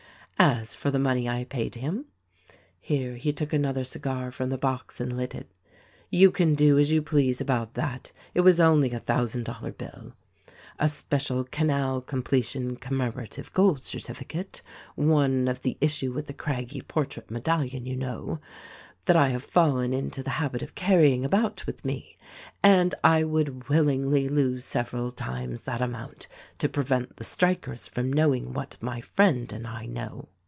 As for the money I paid him —" here he took another cigar from .the box and lit it — "you can do as you please about that. It was only a thousand dollar bill, (a special 'Canal completion (commemorative Gold Certificate' — one of the issue with the 'Craggie portrait' medallion, — you know —) that I have fallen into the habit of carrying about with me ; and I would willingly lose several times that amount to prevent the strik ers from knowing what my friend and I know."